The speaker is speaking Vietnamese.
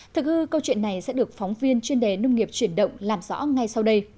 thực hư câu chuyện này sẽ được phóng viên chuyên đề nông nghiệp chuyển động làm rõ ngay sau đây